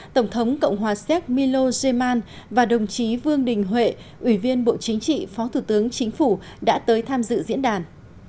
tổng thống cộng hòa séc milo seman và đồng chí vương đình huệ ủy viên bộ chính trị phó thủ tướng chính phủ đã tới tham dự diễn đàn